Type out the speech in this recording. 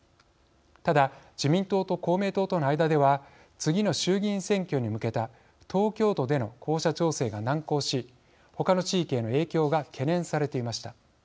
ただ自民党と公明党との間では次の衆議院選挙に向けた東京都での候補者調整が難航しほかの地域への影響が懸念されていました。